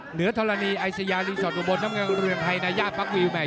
เหนือทรณีไอเซยารีสอร์ตอุบรตน้ำเงินเหรืองไทยนายาปั๊กวีวแม่